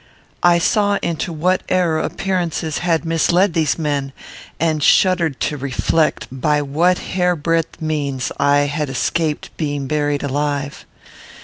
I saw into what error appearances had misled these men, and shuddered to reflect by what hairbreadth means I had escaped being buried alive.